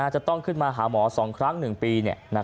จะต้องขึ้นมาหาหมอ๒ครั้ง๑ปี